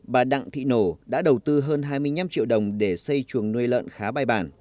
bà đặng thị nổ đã đầu tư hơn hai mươi năm triệu đồng để xây chuồng nuôi lợn khá bài bản